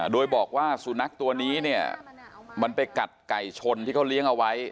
โดยบอกว่าสุนัขตัวนี้เนี่ยมันไปกัดไก่ชนที่เขาเลี้ยงเอาไว้